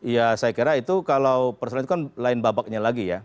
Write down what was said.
ya saya kira itu kalau persoalan itu kan lain babaknya lagi ya